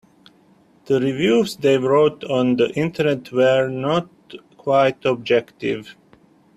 The reviews they wrote on the Internet were not quite objective.